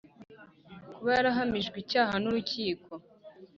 Kuba yarahamijwe icyaha n urukiko